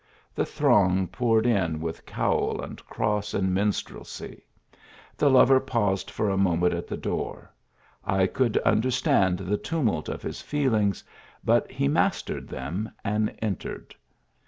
The thjpng poured in with cowl and cross and minstrelsy. ""The Ipver paused for a moment at the door; I could understand the tumult of his feelings, but he mastered them and entered.